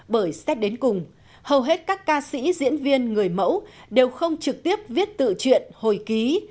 bởi xét đến cùng hầu hết các ca sĩ diễn viên người mẫu đều không trực tiếp viết tự truyện hồi ký